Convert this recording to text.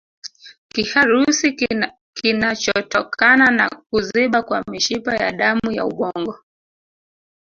Kiharusi kinachotokana na kuziba kwa mishipa ya damu ya ubongo